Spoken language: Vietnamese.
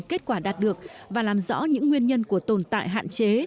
kết quả đạt được và làm rõ những nguyên nhân của tồn tại hạn chế